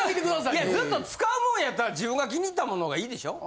いやずっと使うもんやったら自分が気に入ったものがいいでしょう？